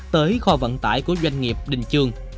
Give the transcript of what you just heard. tới kho vận tải của doanh nghiệp đình trường